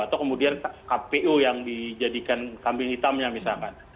atau kemudian kpu yang dijadikan kambing hitamnya misalkan